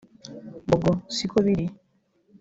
bon go siko biri